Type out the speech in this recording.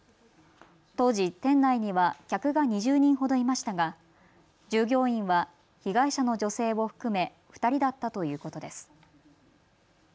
当時、店内には客が２０人ほどいましたが従業員は被害者の女性を含め２人だったということです。